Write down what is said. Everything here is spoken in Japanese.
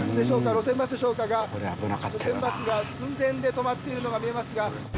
路線バスでしょうかが路線バスが寸前で止まっているのが見えますが。